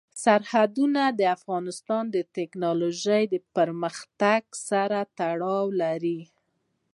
سرحدونه د افغانستان د تکنالوژۍ پرمختګ سره تړاو لري.